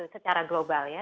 secara global ya